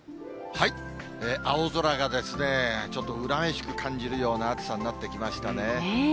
青空がちょっと恨めしく感じるような暑さになってきましたね。